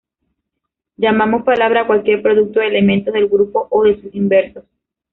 Llamamos palabra a cualquier producto de elementos del grupo o de sus inversos.